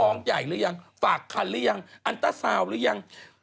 ใหญ่หรือยังฝากคันหรือยังอันตราซาวน์หรือยัง